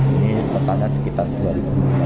ini totalnya sekitar dua delapan ratus